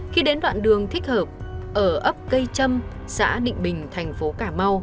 khi đến đoạn đường thích hợp ở ấp cây trâm xã định bình tp hcm